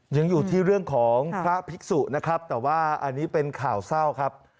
ยังอยู่ที่เรื่องของพระภิกษุนะครับแต่ว่าอันนี้เป็นข่าวเศร้าครับ